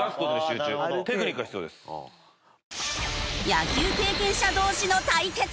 野球経験者同士の対決。